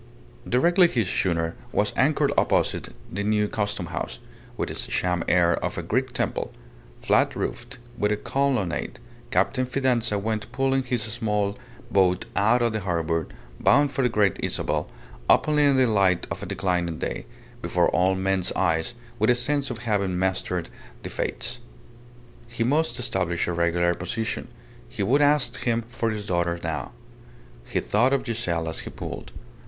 Directly his schooner was anchored opposite the New Custom House, with its sham air of a Greek temple, flatroofed, with a colonnade, Captain Fidanza went pulling his small boat out of the harbour, bound for the Great Isabel, openly in the light of a declining day, before all men's eyes, with a sense of having mastered the fates. He must establish a regular position. He would ask him for his daughter now. He thought of Giselle as he pulled.